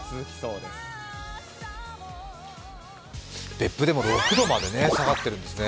別府でも６度まで下がっているんですね。